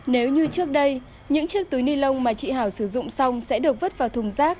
nếu như trước đây những chiếc túi ni lông mà chị hảo sử dụng xong sẽ được vứt vào thùng rác